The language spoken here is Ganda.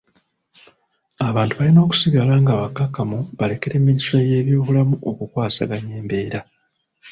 Abantu balina okusigala nga bakkakkamu balekera minisitule y'ebyobulamu okukwasaganya embeera.